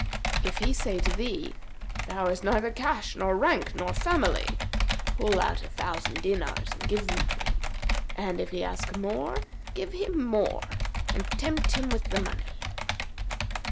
'If he say to thee, 'Thou hast neither cash nor rank nor family'; pull out a thousand dinars and give them to him, and if he ask more, give him more and tempt him with money.'